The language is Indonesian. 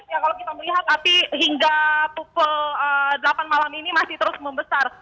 ya kalau kita melihat api hingga pukul delapan malam ini masih terus membesar